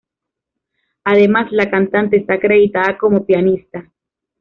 Además, la cantante está acreditada como pianista.